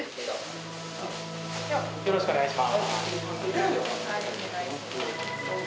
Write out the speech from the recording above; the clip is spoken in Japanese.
よろしくお願いします。